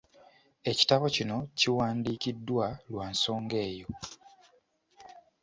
Ekitabo kino kiwandiikiddwa lwa nsonga eyo .